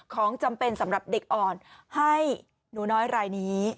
ของจำเป็นสำหรับเด็กอ่อนให้หนูน้อยรายนี้